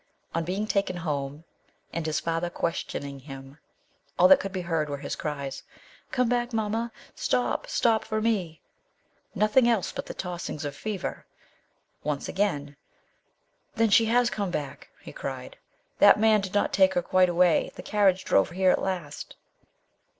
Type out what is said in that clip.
On his being taken Tiome, and his father questioning him, all that could be heard were his cries ' Come back, mamma ; stop, stop for me !" Nothing else but the tossings of fever. Once again, " Then she has come back," he cried, " that man did not take her quite away ; the carriage drove here at last."